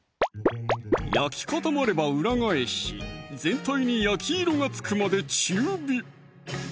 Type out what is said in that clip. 焼き固まれば裏返し全体に焼き色がつくまで中火！